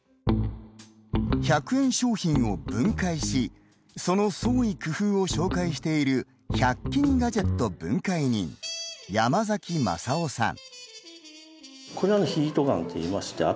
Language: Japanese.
１００円商品を分解しその創意工夫を紹介している１００均ガジェット分解人山崎雅夫さん。